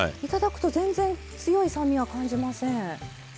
頂くと全然強い酸味は感じません。